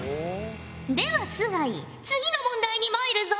では須貝次の問題にまいるぞ。